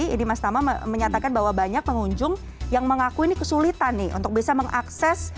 ini mas tama menyatakan bahwa banyak pengunjung yang mengaku ini kesulitan nih untuk bisa mengakses